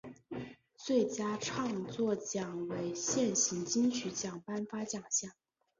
最佳创作奖为现行金曲奖颁发奖项。